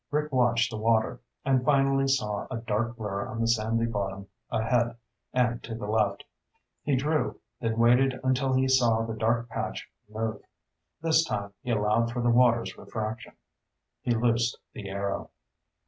Rick watched the water, and finally saw a dark blur on the sandy bottom ahead and to the left. He drew, then waited until he saw the dark patch move. This time he allowed for the water's refraction. He loosed the arrow.